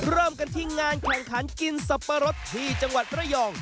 เริ่มกันที่งานแข่งขันกินสับปะรดที่จังหวัดระยอง